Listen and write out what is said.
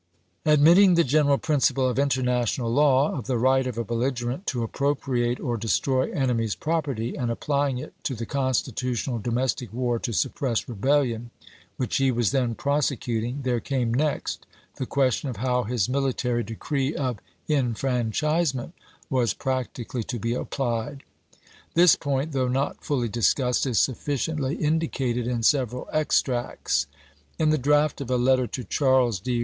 Admitting the general principle of international law, of the right of a belligerent to appropriate or destroy enemies' property, and applying it to the constitutional domestic war to suppress rebellion which he was then prosecuting, there came next the question of how his military decree of enfranchise ment was practically to be applied. This point, though not fully discussed, is sufficiently indicated in several extracts. In the draft of a letter to Charles D.